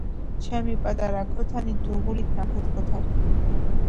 ჩემი პატარა ქოთანი დუღილით ნაქოთქოთარი